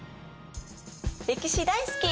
歴史大好き！